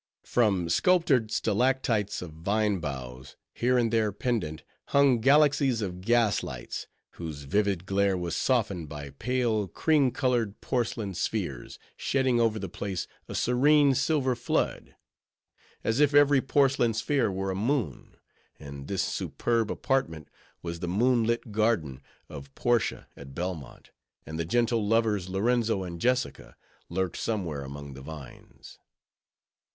From sculptured stalactites of vine boughs, here and there pendent hung galaxies of gas lights, whose vivid glare was softened by pale, cream colored, porcelain spheres, shedding over the place a serene, silver flood; as if every porcelain sphere were a moon; and this superb apartment was the moon lit garden of Portia at Belmont; and the gentle lovers, Lorenzo and Jessica, lurked somewhere among the vines.